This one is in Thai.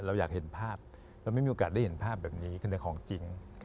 เราอยากเห็นภาพเราไม่มีโอกาสได้เห็นภาพแบบนี้ก็เลยของจริง